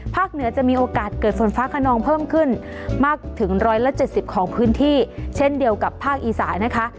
เหนือจะมีโอกาสเกิดฝนฟ้าขนองเพิ่มขึ้นมากถึง๑๗๐ของพื้นที่เช่นเดียวกับภาคอีสานนะคะ